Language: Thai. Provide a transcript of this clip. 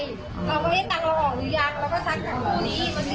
เราก็เอ๊ะตังค์เราออกหรือยังเราก็ซักทั้งคู่นี้